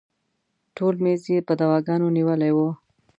ټول میز یې په دواګانو نیولی و.